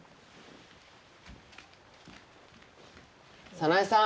早苗さん！